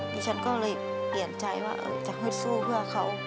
ดิฉันก็เลยเปลี่ยนใจว่าจะฮึดสู้เพื่อเขา